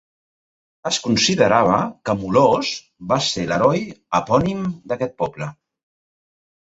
Es considerava que Molós va ser l'heroi epònim d'aquest poble.